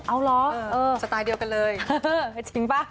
เอาเหรอสไตล์เดียวกันเลยจริงป่ะ